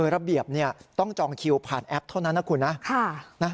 ระเบียบต้องจองคิวผ่านแอปเท่านั้นนะคุณนะ